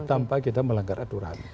tanpa kita melanggar aturan